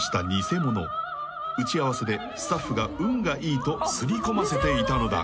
［打ち合わせでスタッフが運がいいと刷り込ませていたのだ］